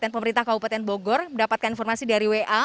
pemerintah kabupaten bogor mendapatkan informasi dari wa